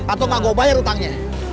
atau nggak gue bayar utangnya